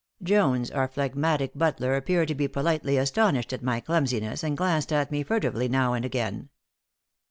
Jones, our phlegmatic butler, appeared to be politely astonished at my clumsiness and glanced at me furtively now and again.